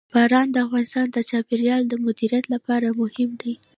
باران د افغانستان د چاپیریال د مدیریت لپاره مهم دي.